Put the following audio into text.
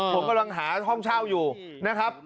ผมกำลังหาห้องเช่าอยู่นะครับ